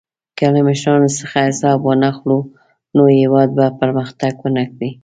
که له مشرانو څخه حساب وانخلو، نو هېواد به پرمختګ ونه کړي.